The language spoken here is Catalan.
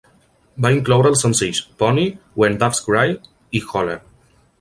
Va incloure els senzills "Pony", "When Doves Cry" i "Holler".